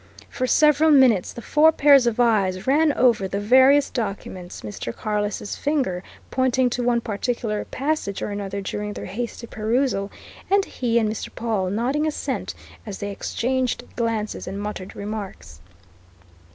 For several minutes the four pairs of eyes ran over the various documents, Mr. Carless' finger pointing to one particular passage or another during their hasty perusal, and he and Mr. Pawle nodding assent as they exchanged glances and muttered remarks.